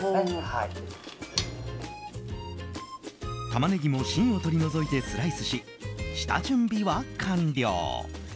タマネギも芯を取り除いてスライスし下準備は完了。